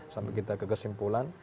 sampai kita ke kesimpulan